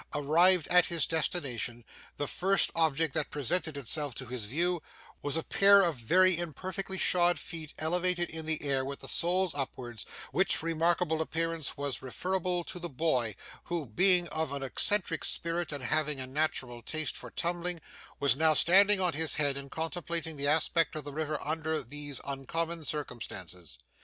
Arrived at his destination, the first object that presented itself to his view was a pair of very imperfectly shod feet elevated in the air with the soles upwards, which remarkable appearance was referable to the boy, who being of an eccentric spirit and having a natural taste for tumbling, was now standing on his head and contemplating the aspect of the river under these uncommon circumstances.